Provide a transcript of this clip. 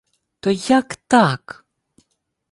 — То як так?